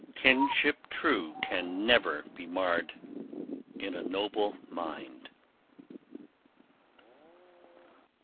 Kinship true can never be marred in a noble mind!